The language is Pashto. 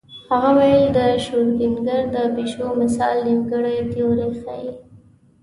هغه ویل د شرودینګر د پیشو مثال نیمګړې تیوري ښيي.